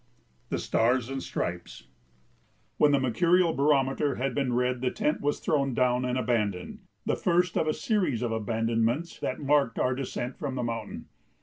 ] [Sidenote: The Stars and Stripes] When the mercurial barometer had been read the tent was thrown down and abandoned, the first of the series of abandonments that marked our descent from the mountain.